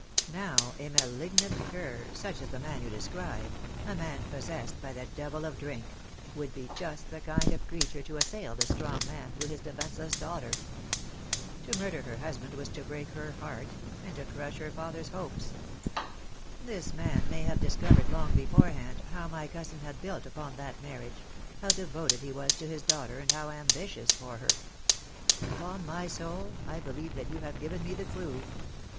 Now, a malignant cur, such as the man you de scribe— a man possessed by the devil of drink — would be just the kind of creature to assail the strong man through his defenceless daughter. To murder her hus band was to break her heart, and to crush her father's THE DAY WILL COME. 89 hopes. This man may have discovered long beforehand how my cousin had built upon that marriage — how de voted he was to his daughter, and how ambitious for her. Upon my soul I believe that you have given me the clue.